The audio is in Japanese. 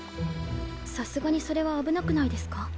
さすがにそれは危なくないですか？